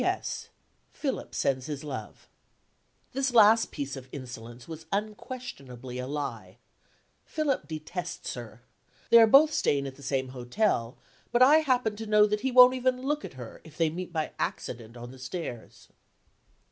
P. S.: Philip sends his love." This last piece of insolence was unquestionably a lie. Philip detests her. They are both staying at the same hotel. But I happen to know that he won't even look at her, if they meet by accident on the stairs.